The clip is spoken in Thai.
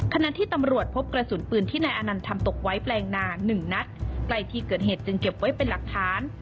ขณะที่ตำรวจพบกระสุนปืนที่นายอนันต์ทำตกไว้แปลงนาหนึ่งนัดใกล้ที่เกิดเหตุจึงเก็บไว้เป็นหลักฐาน